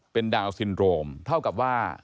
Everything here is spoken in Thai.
เป็นดาวนซินโรมเท่ากับว่า